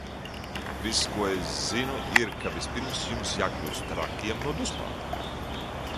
Viss, ko es zinu ir, ka vispirms jums jākļūst trakiem no dusmām!